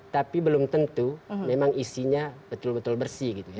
tapi belum tentu memang isinya betul betul bersih gitu ya